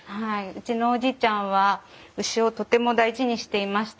うちのおじいちゃんは牛をとても大事にしていました。